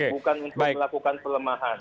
bukan untuk melakukan pelemahan